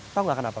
tahu nggak kenapa